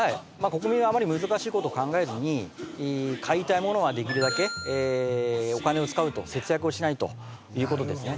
国民はあまり難しいことを考えずに買いたいものはできるだけお金を使うと節約をしないということですね